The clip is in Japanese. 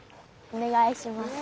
お願いします。